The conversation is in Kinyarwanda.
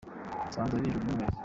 Nsanze ari ijuru ry’umwezi